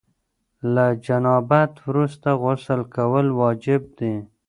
له جنابت وروسته غسل کول واجب دي.